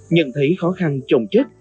nhận thấy khó khăn chồng chết